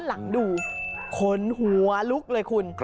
หลังดูขนหัวลุกเลยคุณ